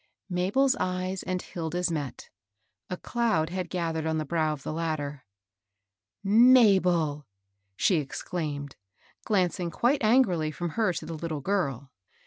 Mabel's eyes and Hilda's met. A cloud had gathered on the brow of the latter. " Mabel !" she exclaimed, glancing quite an grily fi'om her to the little girl.